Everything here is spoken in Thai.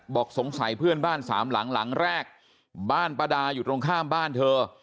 บอกสงสัยเพื่อนบ้านสามหลังหลังแรกบ้านป้าดาอยู่ตรงข้ามบ้านเธอ